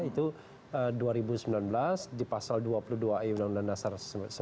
itu dua ribu sembilan belas di pasal dua puluh dua ai undang undang dasar seribu sembilan ratus empat puluh